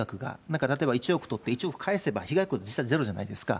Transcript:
だから例えば１億取って、１億返せば被害額は実際ゼロじゃないですか。